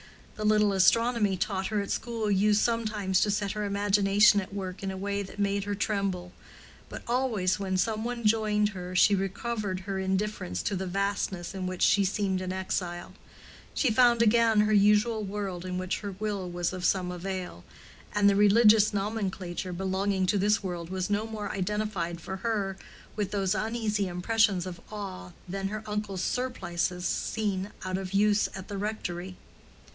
The little astronomy taught her at school used sometimes to set her imagination at work in a way that made her tremble: but always when some one joined her she recovered her indifference to the vastness in which she seemed an exile; she found again her usual world in which her will was of some avail, and the religious nomenclature belonging to this world was no more identified for her with those uneasy impressions of awe than her uncle's surplices seen out of use at the rectory.